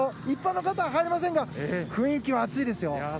一般の方は入れませんが雰囲気は熱いですよ。